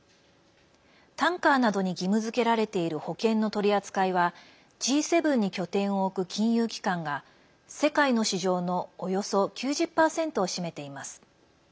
タンカーなどに義務づけられている保険の取り扱いはＧ７に拠点を置く金融機関が世界の市場のおよそ９０％を占めています。